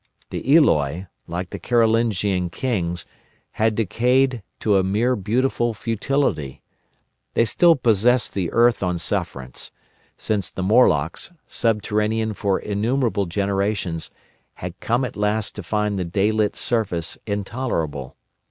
The Eloi, like the Carlovignan kings, had decayed to a mere beautiful futility. They still possessed the earth on sufferance: since the Morlocks, subterranean for innumerable generations, had come at last to find the daylit surface intolerable.